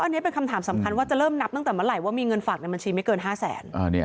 อันนี้เป็นคำถามสำคัญว่าจะเริ่มนับตั้งแต่เมื่อไหร่ว่ามีเงินฝากในบัญชีไม่เกิน๕แสน